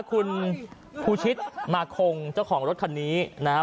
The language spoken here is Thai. คุณภูชิตมาคงเจ้าของรถคันนี้นะครับ